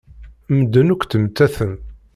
Medden akk ttmettaten.